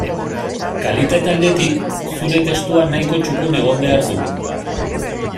Kalitate aldetik, zure testua nahikoa txukun egon behar du.